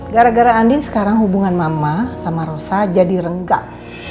gara gara andin sekarang hubungan mama sama rosa jadi renggang